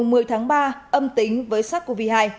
ngày một mươi tháng ba âm tính với sars cov hai